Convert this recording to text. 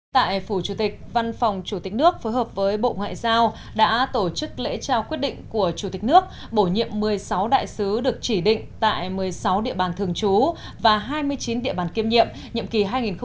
tại phủ chủ tịch văn phòng chủ tịch nước phối hợp với bộ ngoại giao đã tổ chức lễ trao quyết định của chủ tịch nước bổ nhiệm một mươi sáu đại sứ được chỉ định tại một mươi sáu địa bàn thường trú và hai mươi chín địa bàn kiêm nhiệm nhiệm kỳ hai nghìn một mươi năm hai nghìn hai mươi